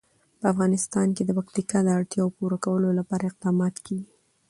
په افغانستان کې د پکتیکا د اړتیاوو پوره کولو لپاره اقدامات کېږي.